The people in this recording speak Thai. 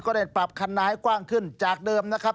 ได้ปรับคันนายกว้างขึ้นจากเดิมนะครับ